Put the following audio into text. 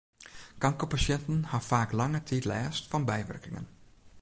Kankerpasjinten ha faak lange tiid lêst fan bywurkingen.